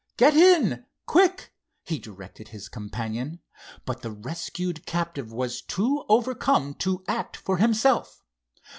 "Get in, quick!" he directed his companion, but the rescued captive was too overcome to act for himself.